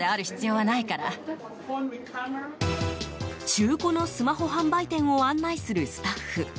中古のスマホ販売店を案内するスタッフ。